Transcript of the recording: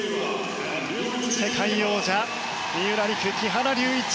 世界王者三浦璃来、木原龍一。